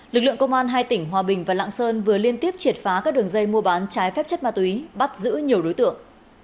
lực lượng công an hai tỉnh hòa bình và lạng sơn vừa liên tiếp triệt phá các đường dây mua bán trái phép chất ma túy bắt giữ nhiều đối tượng